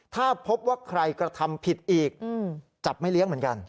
ถ้าพบว่าใครกระทำผิดอีกจับไม่เลี้ยงเหมือนกัน